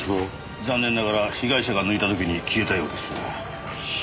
残念ながら被害者が抜いた時に消えたようですな。